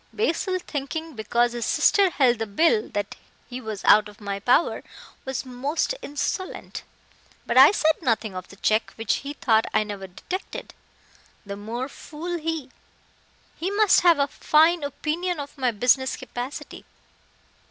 Basil, thinking because his sister held the bill that he was out of my power, was most insolent. But I said nothing of the check which he thought I never detected. The more fool he. He must have a fine opinion of my business capacity.